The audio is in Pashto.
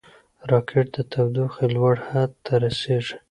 راکټ د تودوخې لوړ حد ته رسېږي